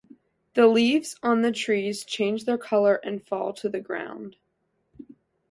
The leaves on the trees change their color and fall to the ground.